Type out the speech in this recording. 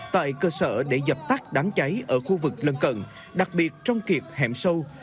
tại cơ sở để dập tắt đám cháy ở khu vực lân cận đặc biệt trong kiệt hẹm sâu